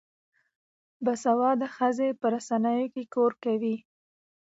باسواده ښځې په رسنیو کې کار کوي.